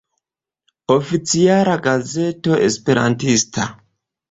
Oficiala Gazeto Esperantista.